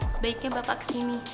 sebaiknya bapak kesini